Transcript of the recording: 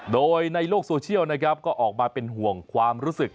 โดยในโลกโซเชียลนะครับก็ออกมาเป็นห่วงความรู้สึก